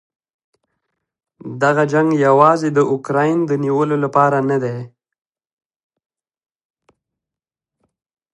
دغه جنګ یواځې د اوکراین د نیولو لپاره نه دی.